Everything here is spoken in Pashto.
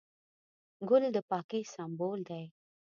ګل د پاکۍ سمبول دی.